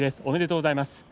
おめでとうございます。